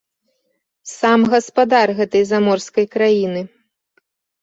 Сам гаспадар гэтай заморскай краіны.